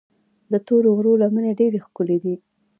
د تورو غرونو لمنې ډېرې ښکلي دي.